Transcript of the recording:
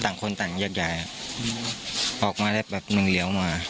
ต่างคนต่างอย่างใหญ่อ่ะออกมาได้แบบแบบหนึ่งเหลียวมา